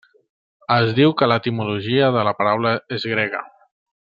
Es diu que l'etimologia de la paraula és grega.